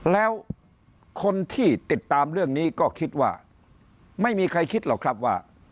แล้วคนที่ติดตามเรื่องนี้ก็คิดว่าไม่มีใครคิดหรอกครับว่า